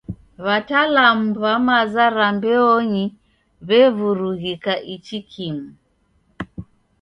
W'atalamu w'a maza ra mbeonyi w'evurughika ichi kimu.